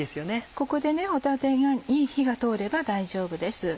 ここで帆立に火が通れば大丈夫です。